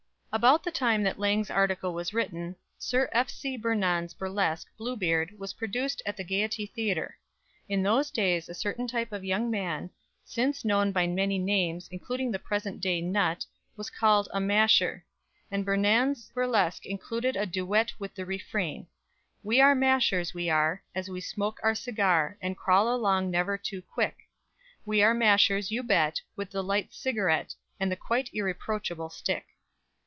About the time that Lang's article was written, Sir F.C. Burnand's burlesque, "Bluebeard" was produced at the Gaiety Theatre. In those days a certain type of young man, since known by many names, including the present day "nut," was called a "masher"; and Burnand's burlesque included a duet with the refrain: _We are mashers, we are, As we smoke our cigar And crawl along, never too quick; We are mashers, you bet, With the light cigarette And the quite irreproachable stick.